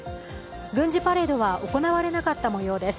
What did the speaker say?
軍事パレードは行われなかった模様です。